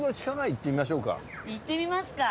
行ってみますか。